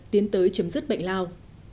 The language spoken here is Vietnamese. tiến tới chấm dứt bệnh lao